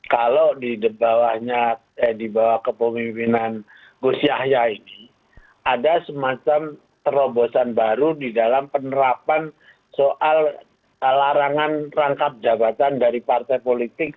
kalau di bawah kepemimpinan gus yahya ini ada semacam terobosan baru di dalam penerapan soal larangan rangkap jabatan dari partai politik